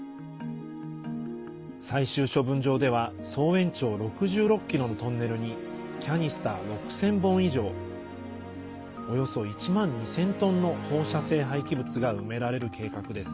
最終処分場では総延長６６ｋｍのトンネルにキャニスター６０００本以上およそ１万２０００トンの放射性廃棄物が埋められる計画です。